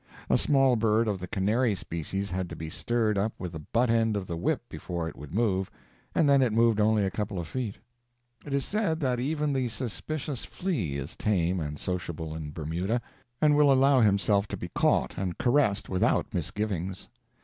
A small bird of the canary species had to be stirred up with the butt end of the whip before it would move, and then it moved only a couple of feet. It is said that even the suspicious flea is tame and sociable in Bermuda, and will allow himself to be caught and caressed without misgivings.